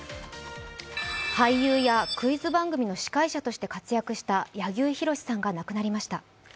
俳優やクイズ番組の司会者として活躍した柳生博さんが亡くなりました。